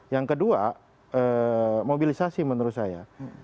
yang kedua mobilisasi menurut saya